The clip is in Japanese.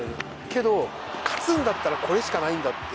けど勝つんだったらこれしかないんだって。